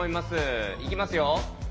いきますよ！